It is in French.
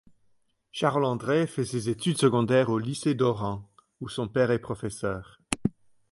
Charles-André fait ses études secondaires au lycée d'Oran, où son père est professeur.